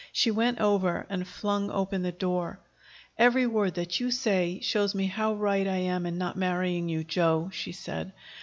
She went over and flung open the door. "Every word that you say shows me how right I am in not marrying you, Joe," she said.